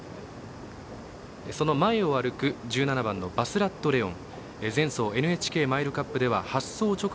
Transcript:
その前を歩く１７番バスラットレオン。